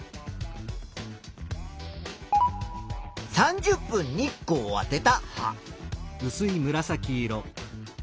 ３０分日光をあてた葉。